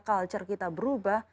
culture kita berubah